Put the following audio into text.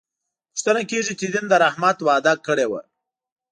پوښتنه کېږي چې دین د رحمت وعده کړې وه.